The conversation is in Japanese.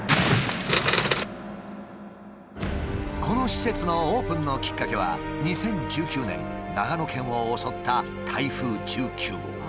この施設のオープンのきっかけは２０１９年長野県を襲った台風１９号。